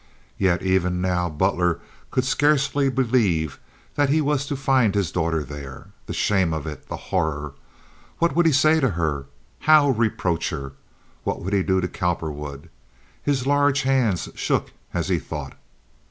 Yet even now Butler could scarcely believe that he was to find his daughter there. The shame of it. The horror. What would he say to her? How reproach her? What would he do to Cowperwood? His large hands shook as he thought.